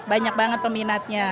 banyak banget peminatnya